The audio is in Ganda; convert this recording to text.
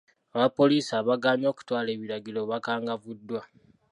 Abapoliisi abaagaanye okutwala ebiragiro bakangavvuddwa.